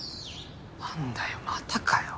なんだよまたかよ。